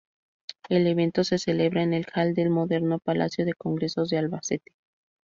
El evento se celebra en el hall del moderno Palacio de Congresos de Albacete.